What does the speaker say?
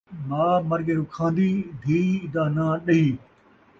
ماء مر ڳئی رکھان٘دی ، دھی دا ناں ݙہی